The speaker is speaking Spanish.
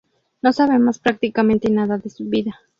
No sabemos prácticamente nada de su vida.